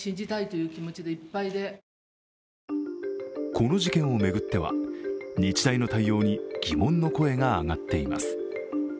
この事件を巡っては、日大の対応に疑問の声が上がっています。